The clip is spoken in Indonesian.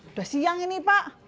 udah siang ini pak